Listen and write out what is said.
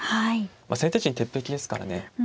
まあ先手陣鉄壁ですからね。